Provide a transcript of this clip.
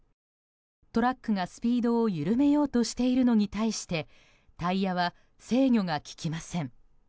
トラックがスピードを緩めようとしているのに対してタイヤは制御が利きません。